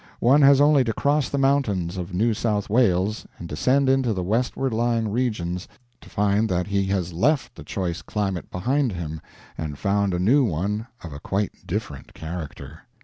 One has only to cross the mountains of New South Wales and descend into the westward lying regions to find that he has left the choice climate behind him, and found a new one of a quite different character.